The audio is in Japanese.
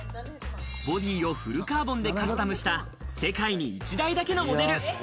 ボディーフルカーボンでカスタムした、世界に１台だけのモデル。